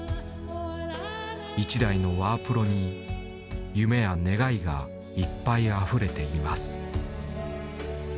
１台のワープロに夢や願いがいっぱいあふれています」。